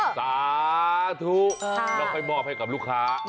สาธุแล้วค่อยมอบให้กับลูกค้า